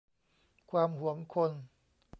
ความหวงคน